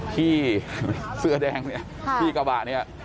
พี่เสื้อแดงเนี่ยพี่กระบะเนี่ย